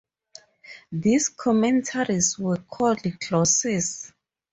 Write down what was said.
These commentaries were called glosses.